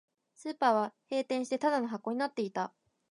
スーパーは閉店して、ただの箱になっていた